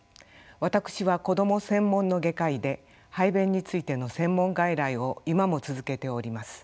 私は子ども専門の外科医で排便についての専門外来を今も続けております。